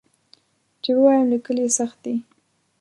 چې ووایم لیکل یې سخت دي.